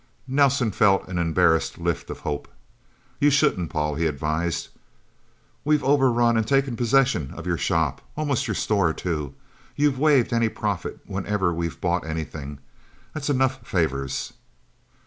Nelsen felt an embarrassed lift of hope. "You shouldn't, Paul," he advised. "We've overrun and taken possession of your shop almost your store, too. You've waived any profit, whenever we've bought anything. That's enough favors."